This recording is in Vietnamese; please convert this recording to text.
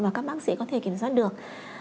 và các bác sĩ có thể kiểm soát được